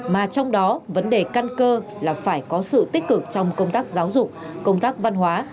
mà trong đó vấn đề căn cơ là phải có sự tích cực trong công tác giáo dục công tác văn hóa